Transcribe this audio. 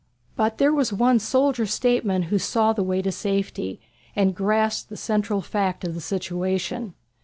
But there was one soldier statesman who saw the way to safety, and grasped the central fact of the situation.